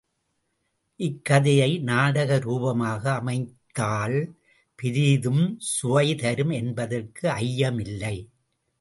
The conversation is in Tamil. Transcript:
இக் கதையை நாடக ரூபமாக அமைத்தால் பெரிதுஞ் சுவைதரும் என்பதற்கு ஐயமில்லை.